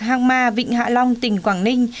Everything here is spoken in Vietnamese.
hàng ma vịnh hạ long tỉnh quảng ninh